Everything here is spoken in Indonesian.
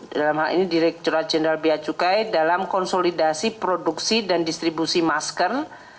di dalam hal ini direkturat jenderal biacukai dalam konsolidasi produksi dan distribusi masker